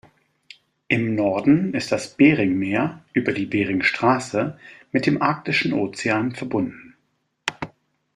Im Norden ist das Beringmeer über die Beringstraße mit dem Arktischen Ozean verbunden.